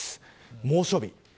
猛暑日。